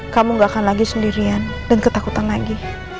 kamu gak akan lagi sendirian dan ketakutan lagi